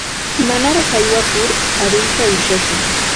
Manaraq aywakur aruyta ushashun.